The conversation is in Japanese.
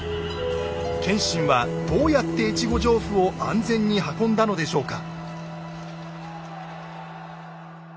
謙信はどうやって越後上布を安全に運んだのでしょうか？